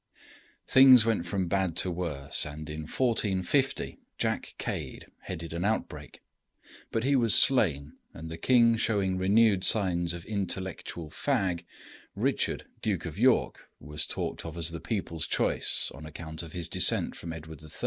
Things went from bad to worse, and, in 1450, Jack Cade headed an outbreak; but he was slain, and the king showing renewed signs of intellectual fag, Richard, Duke of York, was talked of as the people's choice on account of his descent from Edward III.